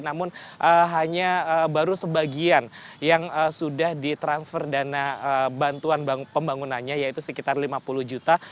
namun hanya baru sebagian yang sudah ditransfer dana bantuan pembangunannya yaitu sekitar lima puluh juta